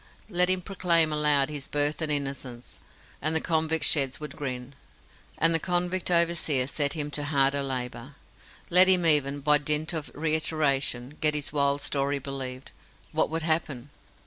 Let him proclaim aloud his birth and innocence, and the convict sheds would grin, and the convict overseer set him to harder labour. Let him even, by dint of reiteration, get his wild story believed, what would happen?